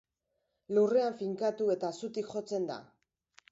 Lurrean finkatu eta zutik jotzen da.